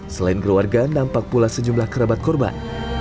selain keluarga nampak pula sejumlah kerabat korban